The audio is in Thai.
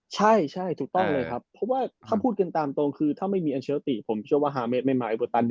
ใช่ใช่ถูกต้องเลยครับเพราะว่าถ้าพูดกันตามตรงคือถ้าไม่มีอัลเชลติผมเชื่อว่าฮาเมดไม่มาไอเวอร์ตัน